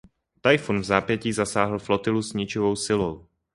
Tajfun vzápětí zasáhl flotilu s ničivou silou.